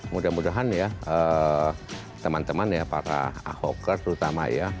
mudah mudahan ya teman teman ya para ahokers terutama ya